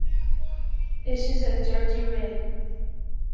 This is a dirty read.